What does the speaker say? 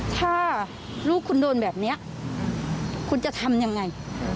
ถ้าลูกคุณโดนแบบนี้คุณจะทำยังไง